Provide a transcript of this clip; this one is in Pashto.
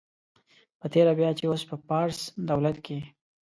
په تېره بیا چې اوس په فارس دولت کې.